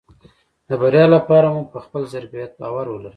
د بريا لپاره مو په خپل ظرفيت باور ولرئ .